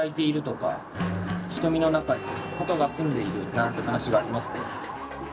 なんて話がありますね。